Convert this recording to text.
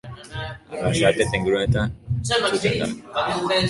Arrasate eta inguruetan entzuten da.